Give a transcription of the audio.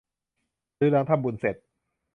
หรือหลังทำบุญเสร็จ